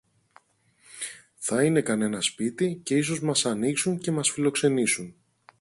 Θα είναι κανένα σπίτι, και ίσως μας ανοίξουν και μας φιλοξενήσουν.